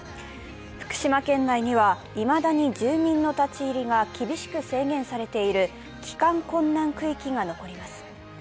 福島県内には、いまだに住民の立ち入りが厳しく制限されている帰還困難区域が残ります。